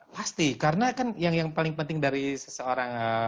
pasti karena kan yang paling penting dari seseorang